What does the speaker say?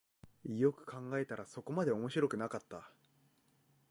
よく考えたらそこまで面白くなかった